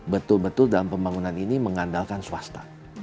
betul betul dalam pembangunan ini mengandalkan swasta